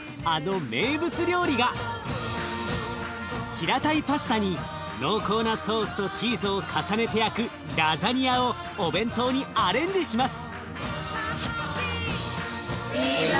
平たいパスタに濃厚なソースとチーズを重ねて焼くラザニアをお弁当にアレンジします。